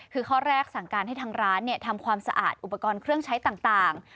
คือข้อแรกสั่งการให้ทางร้านทำความสะอาดอุปกรณ์เครื่องใช้ต่าง